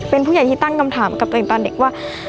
เป็นผู้ใหญ่ที่ตั้งคำถามกับตัวเองตอนเด็กว่า